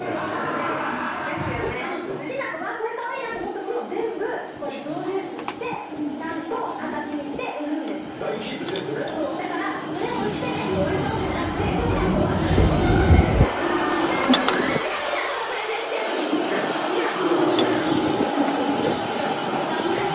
しなこが「これかわいいな」と思ったものを全部プロデュースしてちゃんと形にして売るんです大ヒットしてんですよねだからこれを売ってねって言われたわけじゃなくてしなこは私がしなこのプレゼンしてんのにしなこがねしなこが好きなの名前が？